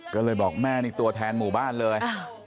ก็เลยบอกแม่นี่ตัวแทนหมู่บ้านเลย